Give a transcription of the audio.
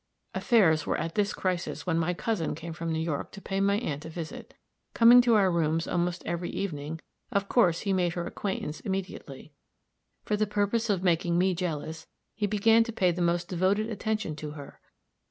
"Affairs were at this crisis when my cousin came from New York to pay my aunt a visit. Coming to our rooms almost every evening, of course he made her acquaintance immediately. For the purpose of making me jealous, he began to pay the most devoted attention to her.